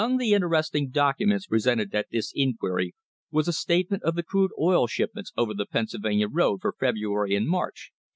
Among the interesting documents presented at this inquiry was a statement of the crude oil shipments over the Pennsyl vania road for February and March, 1878.